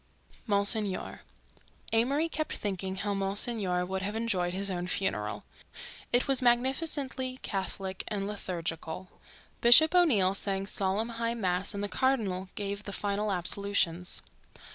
MONSIGNOR Amory kept thinking how Monsignor would have enjoyed his own funeral. It was magnificently Catholic and liturgical. Bishop O'Neill sang solemn high mass and the cardinal gave the final absolutions.